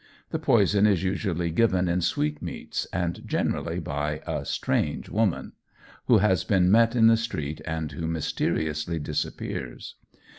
The poison is usually given in sweetmeats, and generally by a "strange woman," who has been met in the street and who mysteriously disappears.